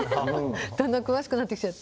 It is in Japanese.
だんだん詳しくなってきちゃって。